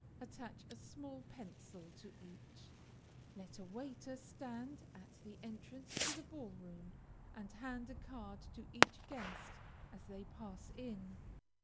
Attach a small pencil to each. Let a waiter stand at the entrance to the ball room, and hand a card to each guest as they pass in.